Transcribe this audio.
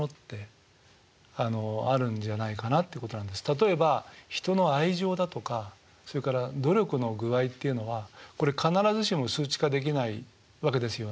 例えば人の愛情だとかそれから努力の具合っていうのはこれ必ずしも数値化できないわけですよね。